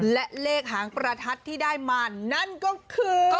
และเลขหางประทัดที่ได้มานั่นก็คือ